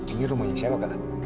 ini rumahnya siapa kak